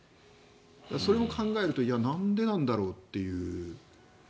それも考えるとなんでなんだろうという。